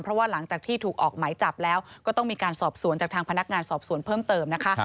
เพราะว่าหลังจากที่ถูกออกหมายจับแล้วก็ต้องมีการสอบสวนจากทางพนักงานสอบสวนเพิ่มเติมนะคะ